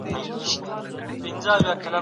د میوند تاریخي څلی د کومي پېښې یادونه کوي؟